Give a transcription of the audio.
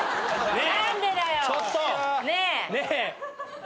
ねえ。